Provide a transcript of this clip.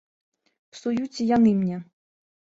Псуюць і яны мне.